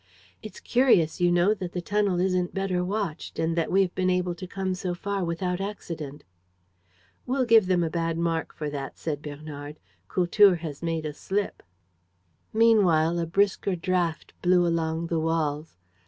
"It's curious, you know, that the tunnel isn't better watched and that we have been able to come so far without accident." "We'll give them a bad mark for that," said Bernard. "Kultur has made a slip." Meanwhile a brisker draught blew along the walls.